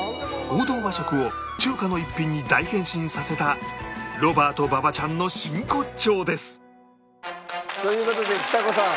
王道和食を中華の一品に大変身させたロバート馬場ちゃんの真骨頂です！という事でちさ子さん。